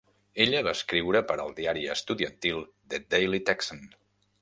Ella va escriure per al diari estudiantil "The Daily Texan".